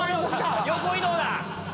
横移動だ！